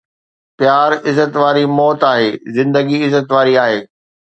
پيار عزت واري موت آهي، زندگي عزت واري آهي